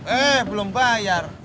eh belum bayar